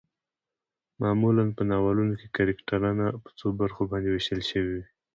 معمولا په ناولونو کې کرکترنه په څو برخو باندې ويشل شوي